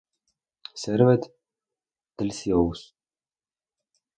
Served Delicious"".